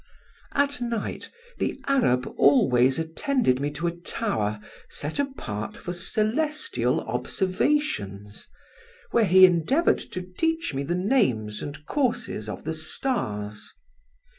"At night the Arab always attended me to a tower set apart for celestial observations, where he endeavoured to teach me the names and courses of the stars.